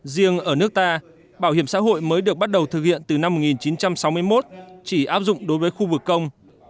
riêng ở nước ta bảo hiểm xã hội mới được bắt đầu thực hiện từ năm một nghìn chín trăm sáu mươi một chỉ áp dụng đối với khu vực công